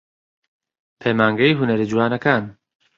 پەیمانگەی هونەرە جوانەکان